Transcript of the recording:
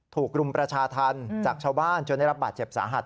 รุมประชาธรรมจากชาวบ้านจนได้รับบาดเจ็บสาหัส